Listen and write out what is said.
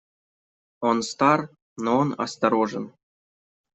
Он стар, но он осторожен.